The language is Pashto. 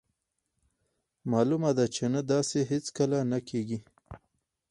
مالومه ده چې نه داسې هیڅکله نه کیږي.